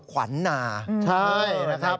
ขวัญนาใช่นะครับ